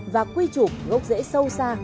và quy trục gốc dễ sâu xa